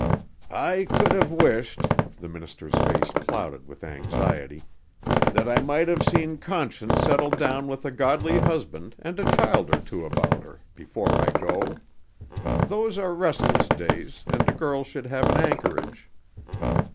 "I could have wished," the minister's face clouded with anxiety, "that I might have seen Conscience settled down with a godly husband and a child or two about her before I go. Those are restless days and a girl should have an anchorage."